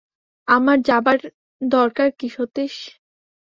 আমার যাবার দরকার কী সতীশ।